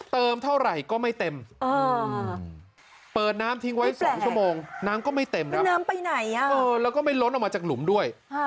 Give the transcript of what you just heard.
เติมเท่าไหร่ก็ไม่เต็มเปิดน้ำทิ้งไว้๒ชั่วโมงน้ำก็ไม่เต็มนะน้ำไปไหนแล้วก็ไม่ล้นออกมาจากหลุมด้วย